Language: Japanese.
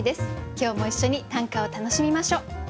今日も一緒に短歌を楽しみましょう。